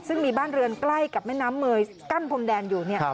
ซึ่งมีบ้านเรือนใกล้กับแม่น้ำเมยกั้นพรมแดนอยู่เนี่ย